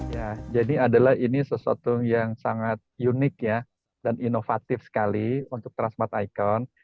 ya jadi adalah ini sesuatu yang sangat unik ya dan inovatif sekali untuk transmart icon